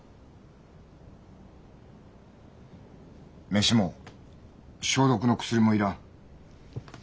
飯も消毒の薬も要らん。